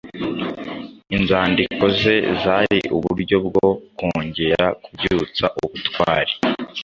inzandiko ze zari uburyo bwo kongera kubyutsa ubutwari